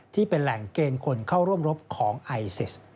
ที่เป็นแหล่งเกณฑ์คนเข้าร่วมรบของไอซิส